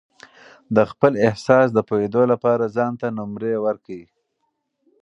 د خپل احساس د پوهېدو لپاره ځان ته نمرې ورکړئ.